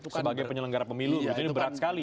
sebagai penyelenggara pemilu itu berat sekali